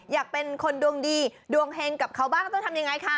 อยากเป็นคนดวงดีดวงเฮงกับเขาบ้างต้องทำยังไงคะ